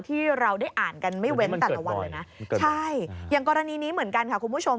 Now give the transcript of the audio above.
ที่เราได้อ่านกันไม่เว้นแต่ละวันเลยนะใช่อย่างกรณีนี้เหมือนกันค่ะคุณผู้ชม